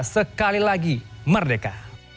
sekali lagi merdeka